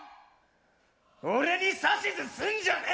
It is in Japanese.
俺に指図すんじゃねえ！